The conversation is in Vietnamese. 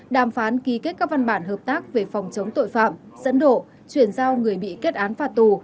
đàm phán ký kết các văn bản hợp tác về phòng chống tội phạm dẫn độ chuyển giao người bị kết án phạt tù